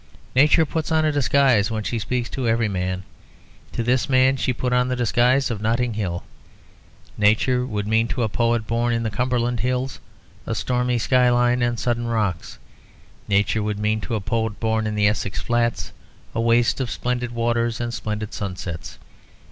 Nature puts on a disguise when she speaks to every man; to this man she put on the disguise of Notting Hill. Nature would mean to a poet born in the Cumberland hills, a stormy sky line and sudden rocks. Nature would mean to a poet born in the Essex flats, a waste of splendid waters and splendid sunsets.